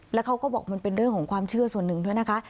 แล้วเขาก็บอกมันเป็นเรื่องของความเชื่อส่วนหนึ่งด้วยนะคะ